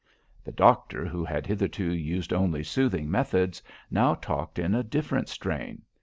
"The doctor, who had hitherto used only soothing methods, now talked in a different strain.